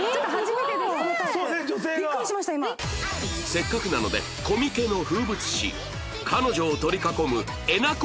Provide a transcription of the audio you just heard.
せっかくなのでコミケの風物詩彼女を取り囲むえなこ